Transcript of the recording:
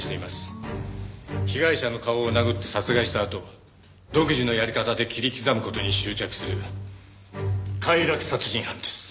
被害者の顔を殴って殺害したあと独自のやり方で切り刻む事に執着する快楽殺人犯です。